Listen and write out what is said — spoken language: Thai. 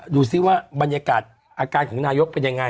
ดูสิว่าบรรยากาศอาการของนายกเป็นยังไง